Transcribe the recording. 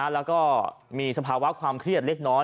แล้วก็มีสภาวะความเครียดเล็กน้อย